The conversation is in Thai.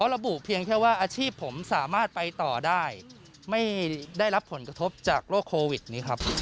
มันเป็นยังไงที่เราไปต่อได้ไหม